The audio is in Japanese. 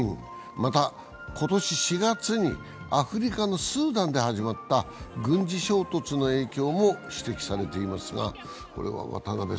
また、今年４月にアフリカのスーダンで始まった軍事衝突の影響も指摘されています。